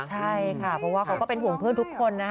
ใช่ค่ะเพราะว่าเขาก็เป็นห่วงเพื่อนทุกคนนะ